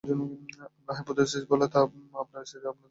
আমার হাইপোথিসিস বলে, আপনার স্ত্রী আপনার চোখ গেলে দেন নি।